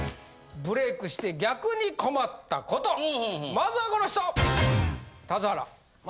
まずはこの人。